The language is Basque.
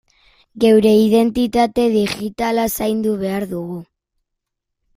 Geure identitate digitala zaindu behar dugu.